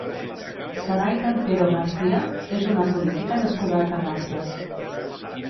Saray Cantero García és una política nascuda a Terrassa.